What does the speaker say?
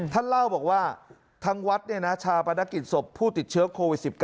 ท่านเล่าบอกว่าทางวัดชาปนกิจศพผู้ติดเชื้อโควิด๑๙